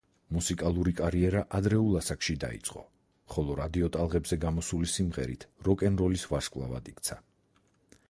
მუსიკალური კარიერა ადრეულ ასაკში დაიწყო, ხოლო რადიოტალღებზე გამოსული სიმღერით როკენროლის ვარსკვლავად იქცა.